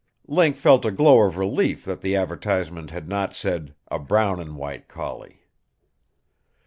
Link felt a glow of relief that the advertisement had not said "a brown and white collie."